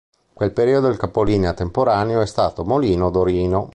In quel periodo il capolinea temporaneo è stato Molino Dorino.